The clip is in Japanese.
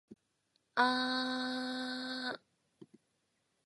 あああああああああああ